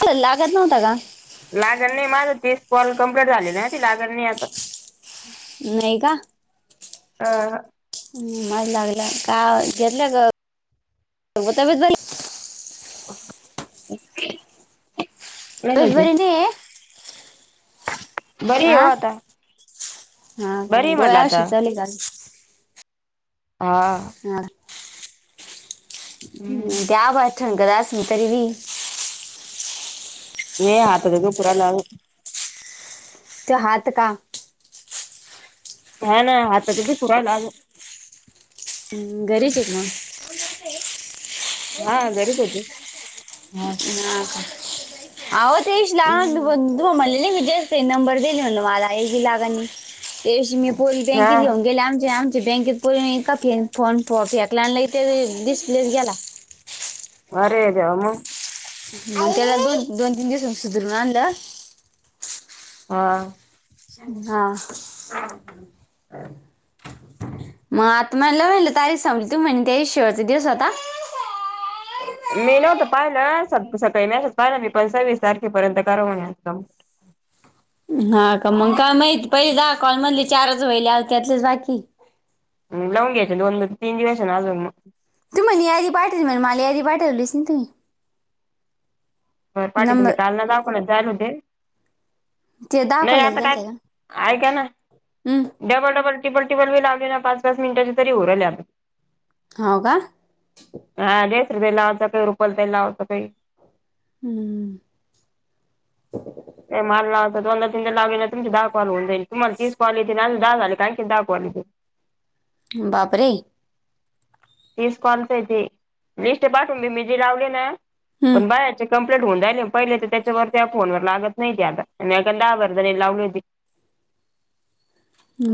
च लागत नव्हता का लागण नाही माझं तीच कॉल कम्प्लीट झाली ती लागन नाही आ नाही का अ ह् मजा लागल का घेतलं ग गताब ब ह परबने बरी आहे हा हो आता हा का बरी म्हटलं गोयाशी आता ले का हा हा ह हम् त्या बाठण क अस म तरी व नाही आता तो पुरा ला तेहाात का हा ना हातच गरीजक ना हा घरीच होती ह आवत येश ला हम्म बंद म मल विजय नंबर देणे म्हण मला हे क लाग त्यावशी मी पोली हा बँकेत घऊन गेले आचेमचे बँकेत प का फ फोन फेकला आणला ते डिस्प्लेस गेला वर जाम ह त्याला दोन दोन तीन दिवसां सुधरू नांद हा हा मग आता मला म्हलं तारीख संांपली तू म्हण त शेवटचा दिवस आता मी नव्हत पाहिलं सकाळी मच पाहिलं मी पंवीस तारखेपर्यंत कराव हा का मग काय माहिती पहिले द कॉलमधली चारच वईले त्यातलेच बाकी लावून घ्यायचं दोन तीन दिवस आहे ना अजून मग तुम म यादी पाठटे देन मला यादी बाटे लस तुही र पाठी तुम्ही नंबर कालना दाख ना जाल होते ते नाही दाखवल्याच आता गेलते का काय ऐका ना हम्म डबल डबल टिल टिपली लागे ना प पाच पाच मिनटची तरीरल आ हो का हा ड रुपये लावाचं काही रुपयल ते लावावचं काही हम्म ते मलला लाव दोनदा तीन लाे तम दाखवावऊ जाईल तुमला तीसवावली दहा झाली काहीी दाखवाली बापरे तीस कॉलच आहे ते. लिस्ट पाठवून दिली. जी लावली ना हम्म पण बाहेरच्या कंमप्लेट होऊन झाली राहिले तर त्याच्यावर त्या फोन वर लागत नाही ती आता. दहा वर्जणी लावली होती.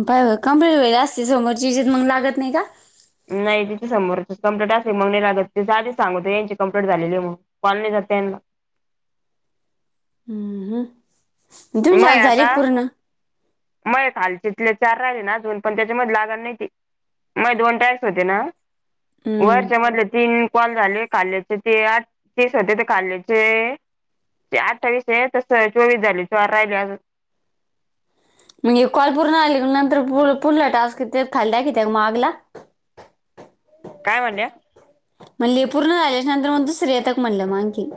बाय कंप्लीट व्हयल असतील समोरची याच्यात मग लागत नाही का? नाही तिथ समोर कंप्लीट असली मग नाही लागत. ती आधीच सांगूत यांची कंप्लीट झालेली आहे म्हणुन. कॉल नाही जात त्यांना. हम्म हम्म तुमची आज झाली का पूर्ण. मय खालचीतले चार राहिले ना अजून. पण त्याच्यामध्ये लागत नाही ते. मग दोन टाक्स होते ना. हम्म वरच्या मधले तीन कॉल झाले. खाल्ल्याचे ते आठ तीस होते ते खालचे ते अठ्ठावीस आहे. तस चोवीस झाले चार राहिले अजून. म्हणजे कॉल पूर्ण आली नंतर पु पुढला टास्क खाल कि त्या मागला. काय म्हणल्या म्हणली पूर्ण झाल्याच्या नंतर म दुसरे येतात मग म्हणल आणखीन.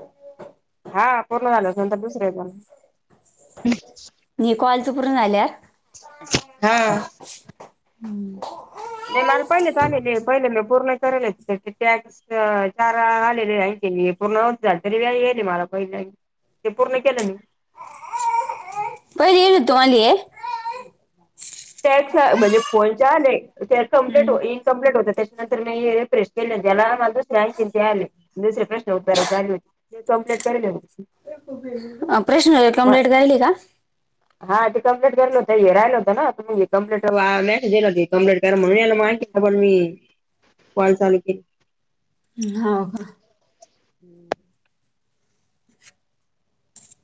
हा पूर्ण झाल्यानंतर दुसरे येता ना. हे कॉलच पूर्ण झाल्यावर. नाही मला पहिलेच आलेले आहे. पहिले मी पूर्ण करेलहेत त्याचे टॅक्स. चार आलेले आहे. आणखी पूर्ण नव्हते झाले तरी बी येयेल आहे मला पहिले ते पूर्ण केल मी. पहिले येयल होते तूम्हाले हे. टॅक्स म्हणजे फोनचे आले. त्याच कंमप्लीट अं, इनकंम्प्लीट होत त्याच्यानंतर रिफ्रेश केले जला मला ते आले दुसरे आणखीन ते आले. दुसरे प्रश्न उत्तराचे आले होते. ते कंप्लीट करेल आहे मी. प्रश्न कंप्लेट मग झायली का? हा ते कंप्लीट केरेल होत. हे राहिल होत ना. कम्प्लेट मसेज येयेल होते कम्लेट करा म्हणून. मग याला आणखी डबल मी कॉल चालू के हो का [inaudible]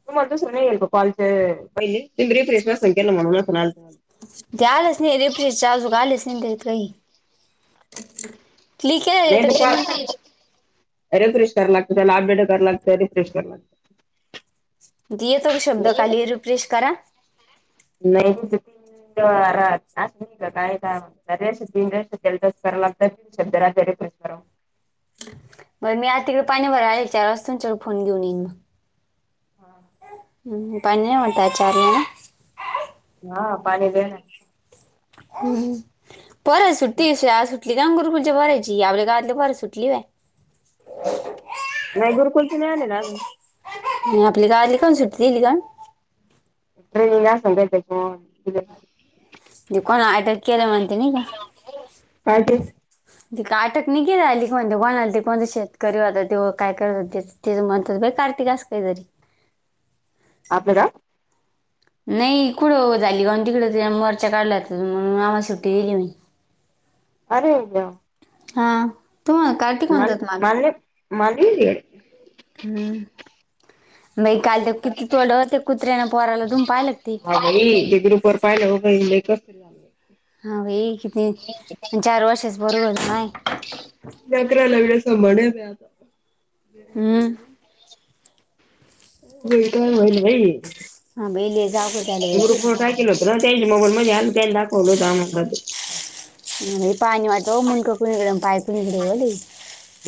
तुम्हाला दुसर नाही येईल का कॉलच पाहिले. तुम्ही रिफ्रेश नसेल केल म्हणून नसल आल. ते आलेच नाही. रिफ्रेशचे अजून आलेच नाही ते काही. लेखी येतात ते नंतर नाही रिफ्रेश कराय लागत त्याला. अपडेट कराय लागत. रिफ्रेश करा लागत. दि येतो का शब्द खाली रिफ्रेश करा. [unintelligible] त्या रेषा तीन रेषा त्याला टच कराव लागत. शब्द राहतो रिफ्रेश करा. बर मी आज तिकडे पाणी भरयले येईल चार वाजता तेव्हा फोन घेऊन येईन मी. [inaudible] हा पाणी नाही म्हणताय चारला ना. हा पाणी दे ना. हम्म हम्म पोरां सुट्टी आहे शाळा सु ती गांगापुरची पोरायची आपल्या गावातली पोर सुटली बाई. नाही गुरुकुलचे नाही आले ना अजून. आपली गावातली काऊन सुट्टी दिली काऊन. ट्रेनिंग असेल काहीतरी ते कोणा अटक केलं म्हणते नाही का? काय ते ते काय अटक नै केलेली आली की, म्हणते कोणा ते पण शेतकरी होता तेव काय करत होतेस. [unintelligible] अस काही तरी आपल गाव? नाही, इकुडं झाली गं, तिकड मोर्चा काढल्यात, म्हणून आम्हा सुट्टी दिली मी. अरे देवा! हा. तुम्हा मलं म्याले माले [unintelligible] हम्म. बाई काल ते किती तोडलं ओ त्या कुत्र्यानं पोराला. तुम्हीन पाहायलं अगं, ये ते ग्रुपवर पाहिलंत हो का? हे लयं करताय. हा, बाई किती चार वर्षांचं पोरग होत, [unintelligible] [unintelligible] आता. [unintelligible] [unintelligible] [unintelligible] हा बाई लय जागो झालं बाई ते आम्हांला ते. [unintelligible]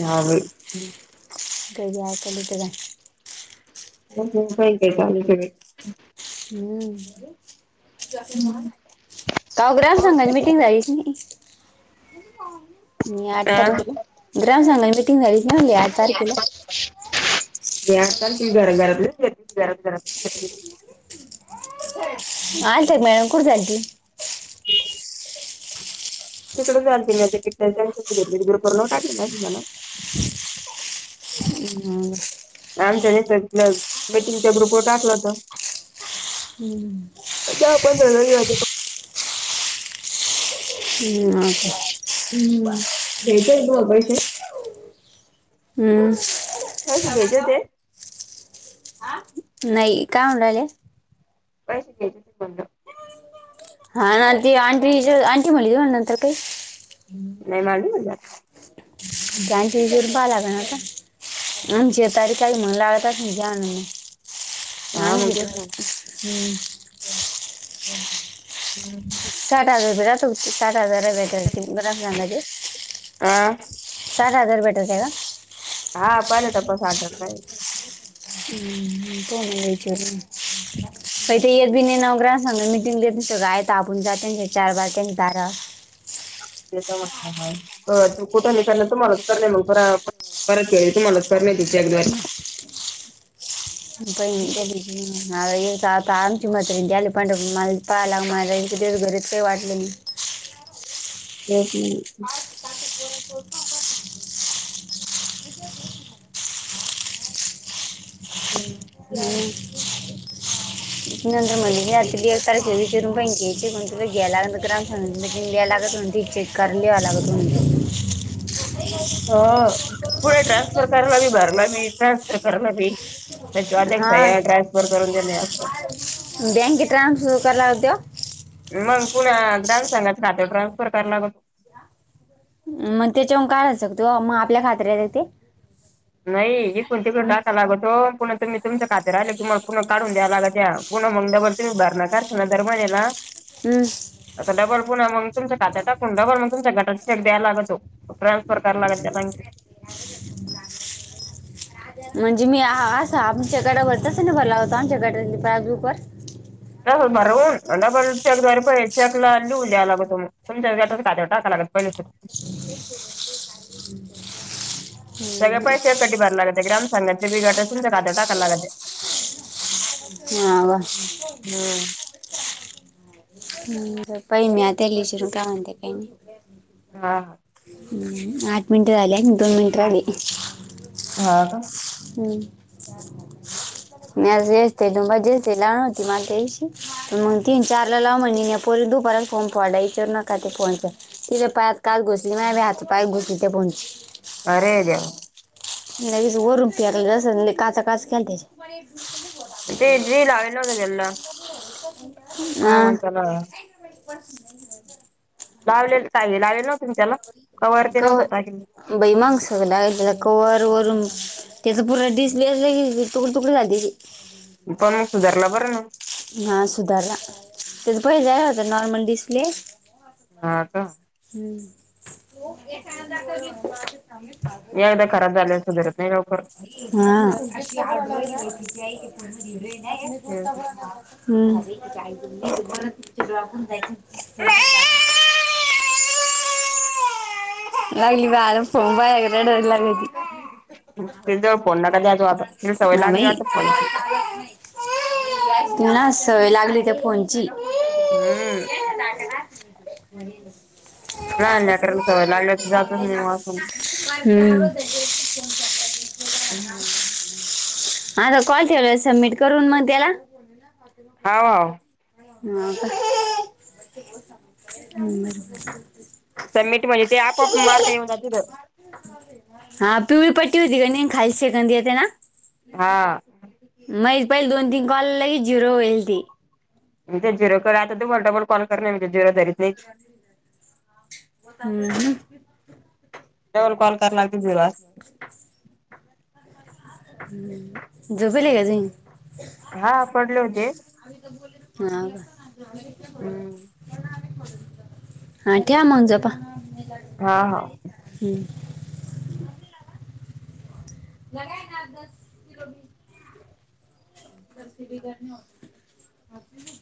हा बाई हं. [unintelligible] ऐकायला येत काय? त्यांचं काय काय चालूचे बाई. हम्म. काव ग्राम संघाची मिटिंग झालीच नाही. या आठ तारखेला, ग्राम संघाची मिटिंग झालीच नाही म्हणले या आठ तारखेला. मी हाकल, ती करलं. घरातले गरम गरम चटणी. [inaudible] [unintelligible] तिकडें जाल [unintelligible] [unintelligible] आमच्याने स मीटिंगच्या ग्रुपवर टाकलं होत. [inaudible] हम्म तेव्हा कोणतरी [inaudible] ती हम्म, हेेत आहे तो अग विषय. हम्म. कशे घ्यायचे ते. नाही. काय म्हणूरायले? [inaudible] हा ना ती आंटी आंटी म्हणली, मग म्ह नंतर काही. नाही मालुम मला. [inaudible] बँक एजंट पाहावं लागेल आता. आमचे तारीख [unintelligible] मा हा मग भेत तेच ना हम्म [inaudible] हम. साठ हजार रुपये राहतो. साठ हजार [unintelligible] सांगाचे. आं सात हजार भेटत्या का? हा पहिले [unintelligible] सारखं नाही. काण घयच्या का ते येत बी नाही नोकऱां सांगून मिटिंग देत नाहीो आपण जात त्यांच्या चार बाार त्यांचे दारा कुठे नाही करण तुमला कर नाही मग परत याे तुम्हालाच कर नाही तच्या एकगव अ इ तामच मत पण मला पाहाला मला राईल तेच घरीच काही वाटले नाही हम् हम् त हम्म ह नंतर म एकण गलात ग्रम स गलात चे काडीलागत अ, पुढे ट्रान्सफर कला बी भरला बी, ट्रान्सफर कला बी, त्या आता एक हा स्या ट्रान्सफर करून देणे असं, बँकेत ट्रान्सफर करायला आवडतो. मग, पुण्या ग्रामसंघाात रातो ट्रान्सफर कराला लागऽ मग त्याच्यावरून काय आसतो मग आपल्या खात्री तेऽ नाही, हे कोणतीकडे टाका लागतो, पुणा तुम्हीऽ तुमचं खात्या राहिले, तुम्हाला पुन काढून द्याय लाग त्या, पुन मग दर तुम्ही भरणार, करश ना दर्मन्यालाऽ हं, आता डबल पुण मग तुमच्या खात्या टाकून डबलग तुमच्या घटा चेक द्याला लागतो ट्रानसफर कर लागऽ म्हणजे मी असा, आमच्या गटावर तस ना भरला होतो, आमच्या गटपरऽ बरून डबल चेक द्वारे पैचे आपल्याला लिऊन द्याला पायजेल, खात्यावर टाकायला लागलं. पहील्या सारक हम, सगळे पैसे कटीराय लागात, ग्राम संघातचे बिघा तुमच्या खात्या टाकाय लागते. हा बऽ हा, पहि म आ ते ललीचरू काय म्हतेे, काही नाही. हा हा, आठ मिनट झाली आणि, दोन मिनटं राहिली. हा का, हम्म, मी अस येस्तेस् लावान होती मझ्या, तर मग तीन चार ला लाव म्हऽ पोरी दुपारात फोन पोडला, इचवर नका ते फोन तिे, पायात काच घुसली मऽ बा घ तीथे पहचचे [unintelligible] अरे रेऽ लगेच गरम पयाला काचा काच क त्याचेऽ तेेडि लाेलोत गलाऽ हहा, लावलेलं काही, लाववेल. गऽ बाई मग सगळं, लाग कवर वरून, त्याचा पूण डिस्प्ले असऽ तुकडी तुकडी लादी तीऽ पण मग सुधारला बरं ना! हा सुधारला, त्याच पहि जायला होत नॉर्मल डिस्प्ले. हा का? हम्म! एकदा खराब झालेला सुधरत नाही लवकर. हा! हम! [inaudible] लागली ग आरम फोंन बाएर रडाय लागली. ते जवळ फोन नका द्यायचो आता. तिला सवय हा लागली बई. वाटतं फोनची. ती ना सवय लागली त्या फोनची. हम! टाकणार लगेच. लहान लेकराला सवय लागल्या तर जातच नाही मग आपण. हम्म! [unintelligible] हाता कॉल ठेवला सबमिट करून मग त्याला? [inaudible] हाव. हां का? हम. संमिट म्हणजे ते आपो-आप मार्क येऊन जातील. हां पिवळी पट्टी होतीका नाही, खाली सेकंद येते ना. हा! मै पहिल दोन तीन कॉल लयी झिरो होयेल ती. ते झिरोकडे आता तुब डबलकॉल कर नाही, म्हते झिरोधरीत अं टवल कॉल करनार की दिवा [inaudible] जपले का नाही? हा पडले होते. हां! हम्म हां ठ्या म्हगंजोपा. हां, हांव. हंम! लगायना दस किलो मीठ. जर ते बिघडणं होते, [unintelligible]